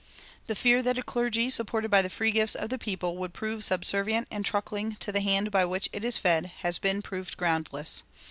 The fear that a clergy supported by the free gifts of the people would prove subservient and truckling to the hand by which it is fed has been proved groundless.